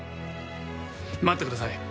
待ってください。